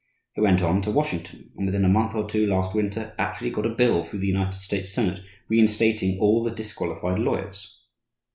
He went on to Washington, and within a month or two last winter actually got a bill through the United States Senate reinstating all the disqualified lawyers.